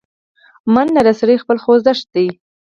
منډه د سړي خپله خوځښت ده